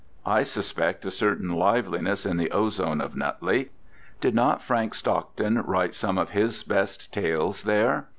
I suspect a certain liveliness in the ozone of Nutley. Did not Frank Stockton write some of his best tales there?